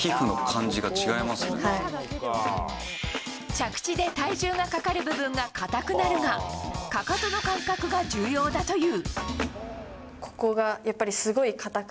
着地で体重がかかる部分が硬くなるがかかとの感覚が重要だという。